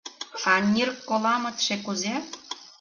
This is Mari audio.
А Ниркколамытше кузе?